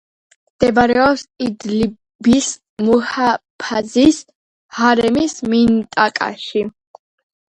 მდებარეობს იდლიბის მუჰაფაზის ჰარემის მინტაკაში.